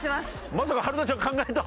まさか春奈ちゃんが考えた？